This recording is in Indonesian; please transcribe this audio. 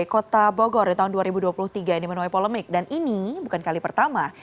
kota bogor di tahun dua ribu dua puluh tiga ini menuai polemik dan ini bukan kali pertama